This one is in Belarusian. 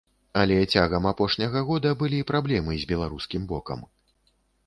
Але цягам апошняга года былі праблемы з беларускім бокам.